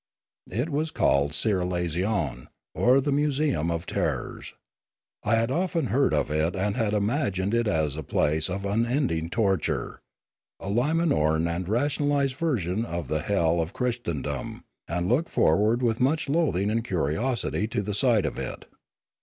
It was called Ciralaison, or the museum of terrors. I had often heard of it and had imagined it as a place of unending torture, a Limanoran and rationalised version of the hell of Christendom, and looked forward with much loathing and curiosity to the sight of it.